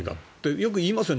よく言いますよね。